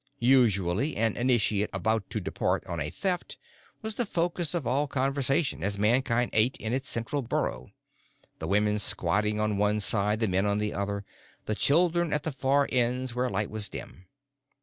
Usually, an initiate about to depart on a Theft was the focus of all conversation as Mankind ate in its central burrow, the women squatting on one side, the men on the other, the children at the far ends where light was dim.